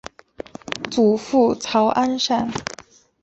祖父曹安善。